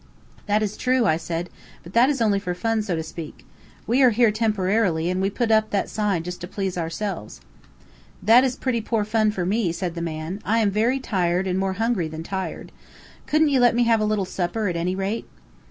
"That is true," I said; "but that is only for fun, so to speak. We are here temporarily, and we put up that sign just to please ourselves." "That is pretty poor fun for me," said the man. "I am very tired, and more hungry than tired. Couldn't you let me have a little supper at any rate?"